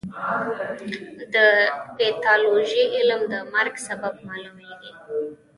د پیتالوژي علم د مرګ سبب معلوموي.